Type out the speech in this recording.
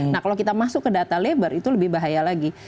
nah kalau kita masuk ke data labor itu lebih bahaya lagi